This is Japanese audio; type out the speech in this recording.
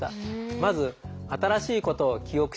まず新しいことを記憶しづらい。